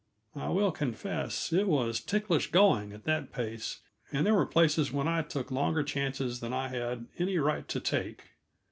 I will confess it was ticklish going, at that pace, and there were places when I took longer chances than I had any right to take.